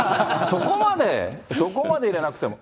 そこまで、そこまで入れなくても。